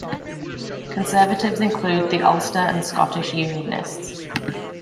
Conservatives include the Ulster and Scottish Unionists.